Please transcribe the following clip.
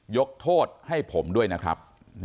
ยกโทษให้ผมด้วยนะครับ